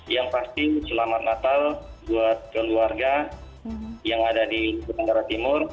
yang pasti selamat natal buat keluarga yang ada di nusa tenggara timur